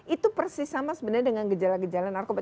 itu persis sama sebenarnya dengan gejala gejala narkoba